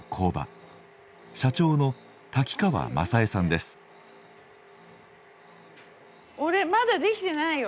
社長のまだ出来てないよ。